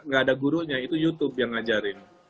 gak ada gurunya itu youtube yang ngajarin